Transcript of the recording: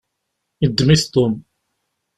Yeddem-it Tom.